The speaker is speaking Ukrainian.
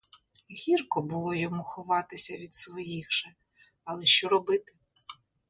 Гірко було йому ховатися від своїх же, але що робити.